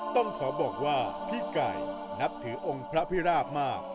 ต้องขอบอกว่าพี่ไก่นับถือองค์พระพิราบมาก